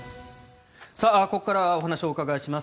ここからはお話をお伺いします。